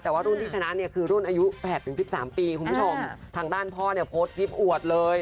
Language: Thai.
แต่ว่ารุ่นที่ชนะเนี่ยคือรุ่นอายุ๘๑๓ปีคุณผู้ชมทางด้านพ่อเนี่ยโพสต์ริฟต์อวดเลย